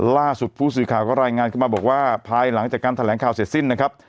ล่าสุดผู้สื่อข่าวก็รายงานขึ้นมาบอกว่าภายหลังจากการแถลงข่าวเสร็จสิ้นนะครับ